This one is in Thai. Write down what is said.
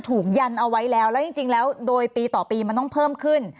ยันเอาไว้แล้วแล้วจริงแล้วโดยปีต่อปีมันต้องเพิ่มขึ้น